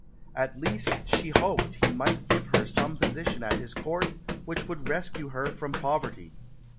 At least, she hoped, he might give her some position at his Court which would rescue her from poverty.